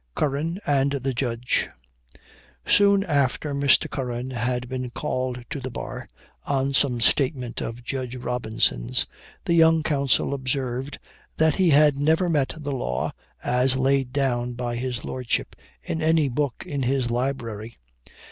CURRAN AND THE JUDGE. Soon after Mr. Curran had been called to the bar, on some statement of Judge Robinson's, the young counsel observed, that "he had never met the law, as laid down by his Lordship, in any book in his library."